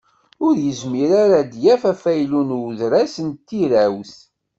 Ur yezmir ara ad d-yaf afaylu n udras n tirawt.